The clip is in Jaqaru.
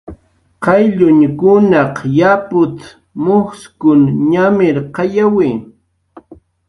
"Qayllunkunaq yaput"" mujskun ñamirqayawi"